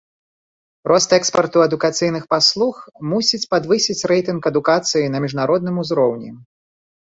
Рост экспарту адукацыйных паслуг мусіць падвысіць рэйтынг адукацыі на міжнародным узроўні.